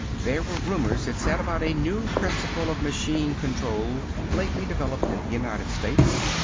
There were rumors, it said, about a new principle of machine control lately developed in the United States.